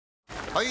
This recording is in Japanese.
・はい！